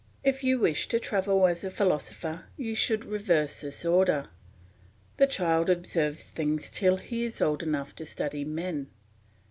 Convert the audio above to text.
If you wish to travel as a philosopher you should reverse this order. The child observes things till he is old enough to study men.